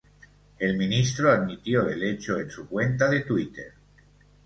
El ministro admitió el hecho en su cuenta de Twitter.